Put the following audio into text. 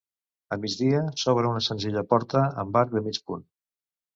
A migdia, s'obre una senzilla porta amb arc de mig punt.